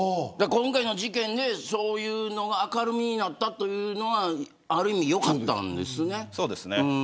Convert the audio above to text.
今回の事件でそういうのが明るみになったことはある意味よかったんですね。